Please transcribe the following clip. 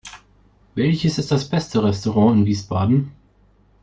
Welches ist das beste Restaurant in Wiesbaden?